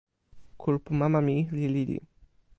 kulupu mama mi li lili.